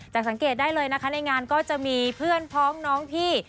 แต่สังเกตได้เลยนะคะในงานก็จะมีเพื่อนพ้องน้องพี่